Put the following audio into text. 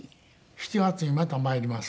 ７月にまた参ります。